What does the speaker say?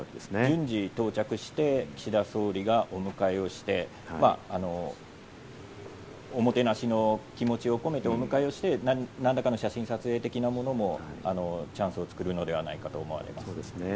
順次到着して岸田総理がお迎えして、おもてなしの気持ちを込めてお迎えをして、何らかの写真撮影的なものもチャンスを作るのではないかと思われます。